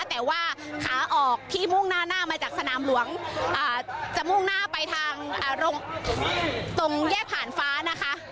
แต่ว่าขาออกที่มุ่งหน้ามาจากสนามหลวงจะมุ่งหน้าไปทางตรงแยกผ่านฟ้านะคะ